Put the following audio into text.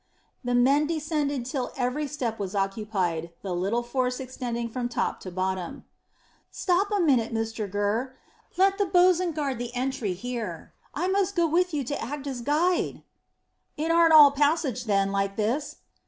The men descended till every step was occupied, the little force extending from top to bottom. "Stop a minute, Mr Gurr. Let the bo's'n guard the entry here; I must go with you to act as guide." "It aren't all passage, then, like this?"